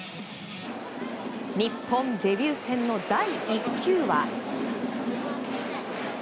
日本デビュー戦の第１球は。